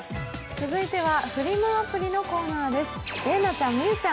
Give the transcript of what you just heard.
続いてはフリマアプリのコーナーです。